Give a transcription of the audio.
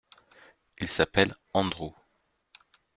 Il s’appelle Andrew.